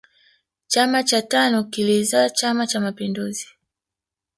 chama cha tanu kilizaa chama cha mapinduzi